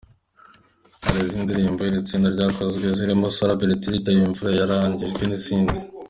Hari izindi ndirimbo iri tsinda ryakoze zirimo ‘Sara’, ‘Beletilida’,’ Imvura yaranyagiye’ n’izindi.